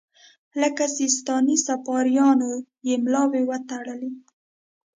لکه سیستاني صفاریانو یې ملاوې وتړلې.